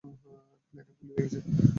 প্লেনে গুলি লেগেছে!